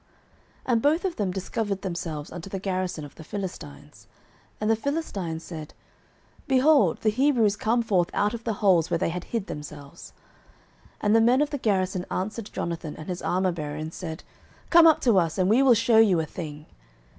09:014:011 And both of them discovered themselves unto the garrison of the Philistines: and the Philistines said, Behold, the Hebrews come forth out of the holes where they had hid themselves. 09:014:012 And the men of the garrison answered Jonathan and his armourbearer, and said, Come up to us, and we will shew you a thing.